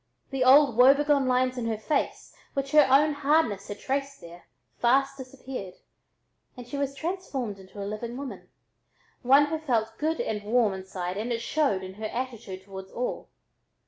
The old woebegone lines in her face, which her own hardness had traced there, fast disappeared, and she was transformed into a living woman, one who felt good and warm inside and showed it in her attitude toward all.